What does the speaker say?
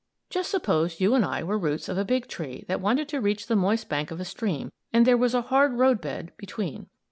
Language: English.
Just suppose you and I were roots of a big tree that wanted to reach the moist bank of a stream, and there was a hard road bed between.